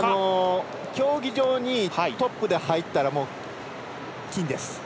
競技場にトップで入ったらもう金です。